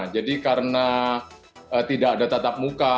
jadi karena tidak ada tatap muka